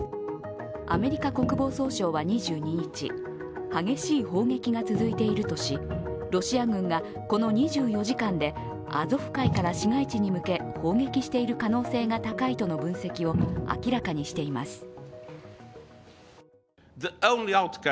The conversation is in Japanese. アメリカ国防総省は２２日、激しい砲撃が続いているとしロシア軍がこの２４時間でアゾフ海から市街地に向け砲撃している可能性が高いとの分析を明らかにしています。